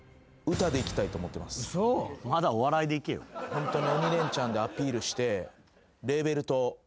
ホントに。